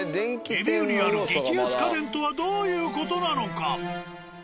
レビューにある激安家電とはどういう事なのか？